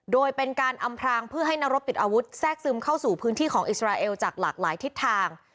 โดยเป็นการอำพรางเพื่อให้นรบติดอาวุธแทรกซึมเข้าสู่พื้นที่ของอิสราเอลจากหลากหลายทิศทาง